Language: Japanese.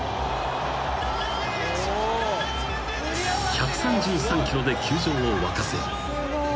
［１３３キロで球場を沸かせ］